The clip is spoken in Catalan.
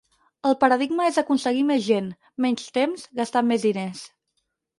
El paradigma és aconseguir més gent, menys temps, gastant més diners.